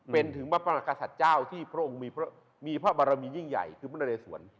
เป็นถึงพระประกษัตริย์เจ้าที่พระองค์มีพระบารมียิ่งใหญ่คือพระนเรสวน